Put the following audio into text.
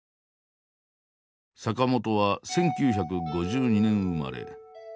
坂本は１９５２年生まれ。